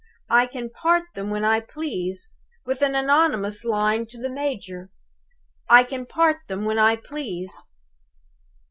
I can part them when I please; with an anonymous line to the major, I can part them when I please!